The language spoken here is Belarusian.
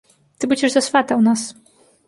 Ты будзеш за свата ў нас!